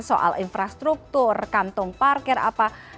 soal infrastruktur kantong parkir apa